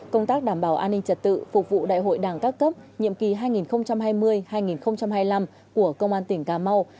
công tác đảm bảo an ninh trật tự phục vụ đại hội đảng các cấp nhiệm kỳ hai nghìn hai mươi hai nghìn hai mươi năm của công an tỉnh cà mau